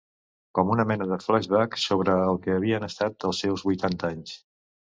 Com una mena de flash-back sobre el que havien estat els seus vuitanta anys.